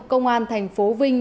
công an tp hcm